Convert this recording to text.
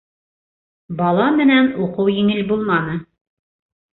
Бала менән уҡыу еңел булманы.